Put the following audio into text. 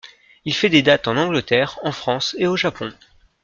Il fait des dates en Angleterre, en France et au Japon.